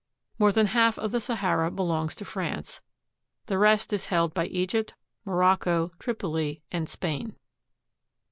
More than half of the Sahara belongs to France; the rest is held by Egypt, Morocco, Tripoli, and Spain.